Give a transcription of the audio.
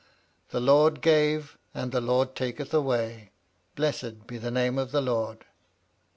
" The Lord gave and the Lord taketh away. Blessed be the name of the Lord."